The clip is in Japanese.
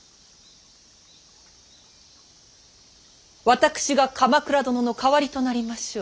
私が鎌倉殿の代わりとなりましょう。